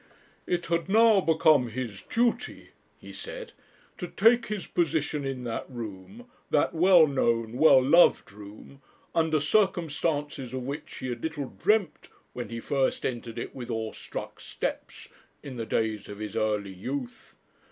'It had now become his duty,' he said, 'to take his position in that room, that well known, well loved room, under circumstances of which he had little dreamt when he first entered it with awe struck steps, in the days of his early youth.